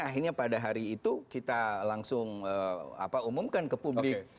akhirnya pada hari itu kita langsung umumkan ke publik